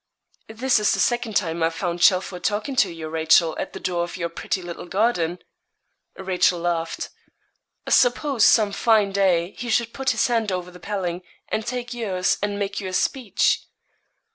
'This is the second time I've found Chelford talking to you, Rachel, at the door of your pretty little garden.' Rachel laughed. 'Suppose, some fine day, he should put his hand over the paling, and take yours, and make you a speech.'